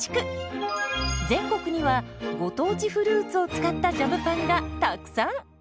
全国にはご当地フルーツを使ったジャムパンがたくさん！